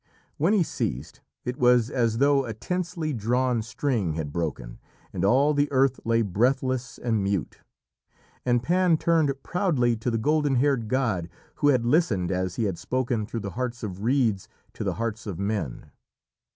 When he ceased, it was as though a tensely drawn string had broken, and all the earth lay breathless and mute. And Pan turned proudly to the golden haired god who had listened as he had spoken through the hearts of reeds to the hearts of men.